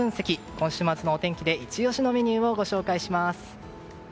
今週末のお天気でイチ押しのメニューをご紹介します。